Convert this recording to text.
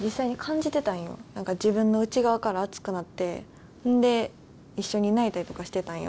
何か自分の内側から熱くなってほんで一緒に泣いたりとかしてたんよ。